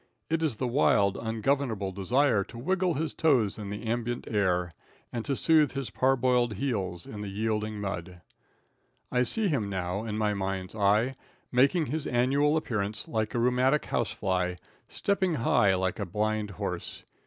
It is the wild, ungovernable desire to wiggle his toes in the ambient air, and to soothe his parboiled heels in the yielding mud. I see him now in my mind's eye, making his annual appearance like a rheumatic housefly, stepping high like a blind horse.